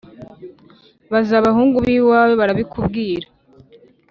baza abahungu b’iwawe barabikubwira.